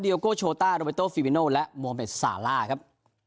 เดียโอโกโชตาโรเบโต้ฟิบิโน่และโมเมดสาล่าครับ